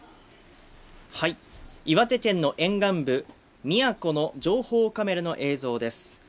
岩手県の沿岸部宮古の情報カメラの映像です。